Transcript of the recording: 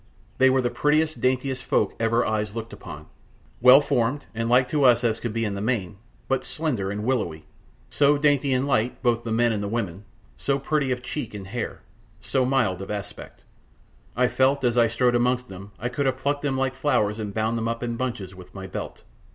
They were the prettiest, daintiest folk ever eyes looked upon, well formed and like to us as could be in the main, but slender and willowy, so dainty and light, both the men and the women, so pretty of cheek and hair, so mild of aspect, I felt, as I strode amongst them, I could have plucked them like flowers and bound them up in bunches with my belt.